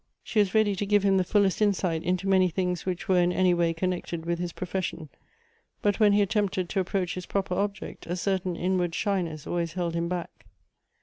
She was ready to give him the fullest insight into many things which were in any way connected with his profession ; but when he attempted to approach his proper object, a certain inward shyness always held him back.